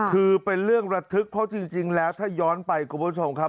คือเป็นเรื่องระทึกเพราะจริงแล้วถ้าย้อนไปคุณผู้ชมครับ